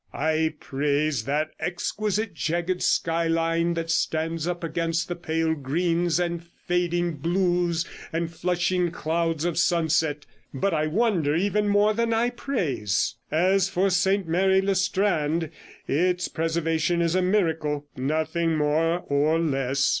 I praise that exquisite jagged skyline that stands up against the pale greens and fading blues and flushing clouds of sunset, but I wonder even more than I praise. As for St. Mary le Strand, its preservation is a miracle, nothing more or less.